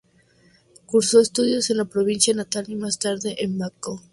Cursó estudios en su provincia natal y más tarde en Bangkok.